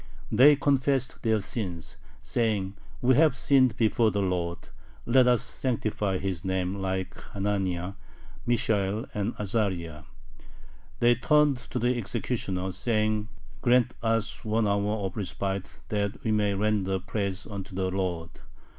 They confessed their sins, saying: "We have sinned before the Lord. Let us sanctify His name like Hananiah, Mishael, and Azariah." They turned to the executioner, saying: "Grant us one hour of respite, that we may render praise unto the Lord."